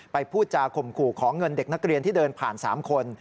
พูดจาข่มขู่ขอเงินเด็กนักเรียนที่เดินผ่าน๓คน